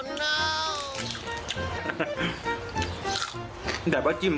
เดี๋ยวก็จิ้ม